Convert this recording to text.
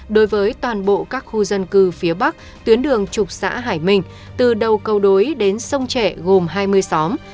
đối với toàn bộ các khu dân cư phía bắc tuyến đường trục xã hải minh từ đầu câu đối đến sông trẻ gồm hai mươi xóm